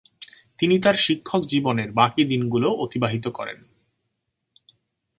তিনি তাঁর শিক্ষক জীবনের বাকি দিনগুলো অতিবাহিত করেন।